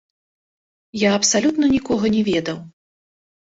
Я абсалютна нікога не ведаў.